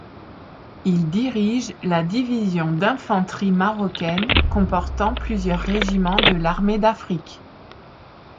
Il dirige la division d'infanterie marocaine comportant plusieurs régiments de l'armée d'Afrique.